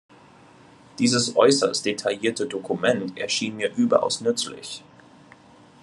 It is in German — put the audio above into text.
Dieses äußerst detaillierte Dokument erschien mir überaus nützlich.